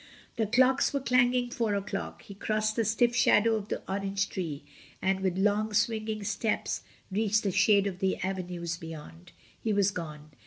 The clocks were clanging four o'clock; he crossed the stiff shadow of the orange tree, and with long swinging steps reached the shade of the avenues beyond, he was gone.